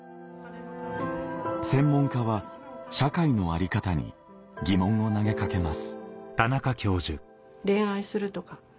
専門家は社会のあり方に疑問を投げかけます